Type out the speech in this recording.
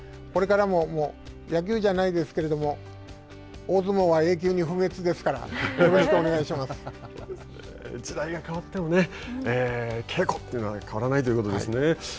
これからも野球じゃないですけれども大相撲は永久に不滅ですから時代が変わっても稽古というのは変わらないということですね。